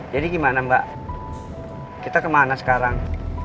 jadi gimana mbak kita kemana sekarang